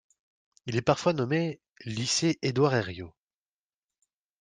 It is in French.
Il est parfois nommé lycée Édouard-Herriot.